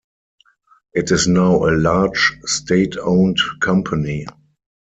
It is now a large state-owned company.